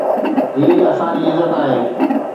هي اسان جي عزت آهي.